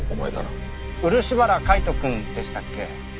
漆原海斗くんでしたっけ。